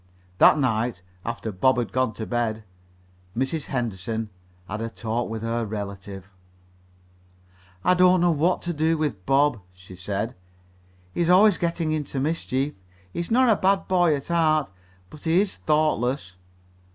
That night, after Bob had gone to bed, Mrs. Henderson had a talk with her relative. "I don't know what to do with Bob," she said. "He is always getting into mischief. He is not a bad boy at heart, but he is thoughtless."